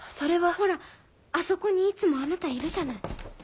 ほらあそこにいつもあなたいるじゃない。